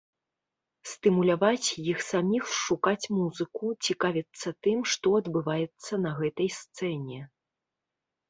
Стымуляваць іх самім шукаць музыку, цікавіцца тым, што адбываецца на гэтай сцэне.